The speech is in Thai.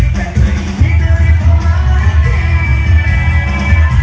แค่เธอนี้ก็ได้พอมาก็ได้ดี